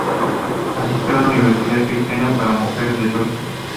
Asistió a la universidad cristiana para mujeres de Tokio.